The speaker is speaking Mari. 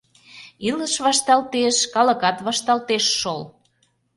Илыш вашталтеш — калыкат вашталтеш шол!